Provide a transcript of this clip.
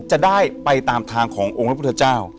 จะได้ไปตามทางขององค์พระพุทธเจ้า